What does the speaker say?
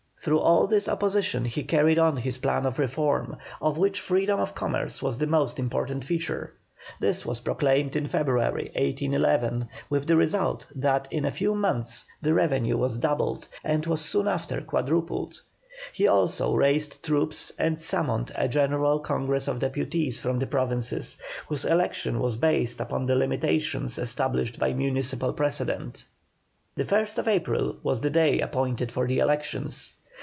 Through all this opposition he carried on his plan of reform, of which freedom of commerce was the most important feature. This was proclaimed in February, 1811, with the result that in a few months the revenue was doubled and was soon after quadrupled. He also raised troops and summoned a general Congress of Deputies from the Provinces, whose election was based upon the limitations established by municipal precedent. The 1st April was the day appointed for the elections.